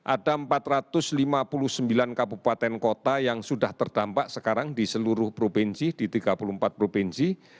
ada empat ratus lima puluh sembilan kabupaten kota yang sudah terdampak sekarang di seluruh provinsi di tiga puluh empat provinsi